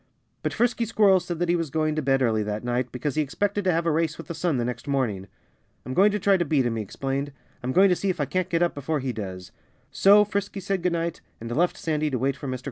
But Frisky Squirrel said that he was going to bed early that night, because he expected to have a race with the sun the next morning. "I'm going to try to beat him," he explained. "I'm going to see if I can't get up before he does." So Frisky said good night and left Sandy to wait for Mr. Crow alone. X MR.